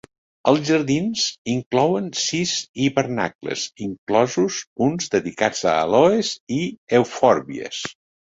Els jardins inclouen sis hivernacles, inclosos uns dedicats a àloes i eufòrbies.